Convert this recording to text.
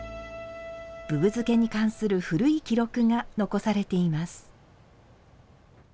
ぶぶ漬けに関する古い記録が残されています。